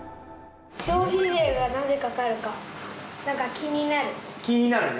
消費税がなぜかかるか、気になるね。